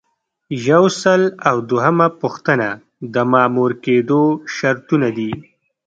یو سل او دوهمه پوښتنه د مامور کیدو شرطونه دي.